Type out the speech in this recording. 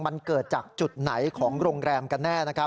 มันเกิดจากจุดไหนของโรงแรมกันแน่นะครับ